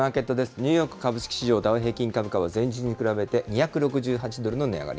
ニューヨーク株式市場ダウ平均株価は、前日に比べて２６８ドルの値上がり。